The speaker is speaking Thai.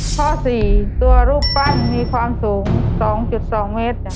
ข้อ๔ตัวรูปปั้นมีความสูง๒๒เมตร